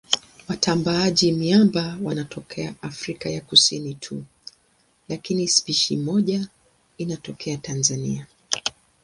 Watambaaji-miamba wanatokea Afrika ya Kusini tu lakini spishi moja inatokea Tanzania.